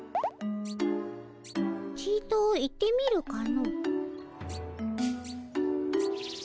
ちと行ってみるかの。